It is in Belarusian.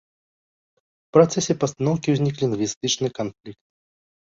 У працэсе пастаноўкі ўзнік лінгвістычны канфлікт.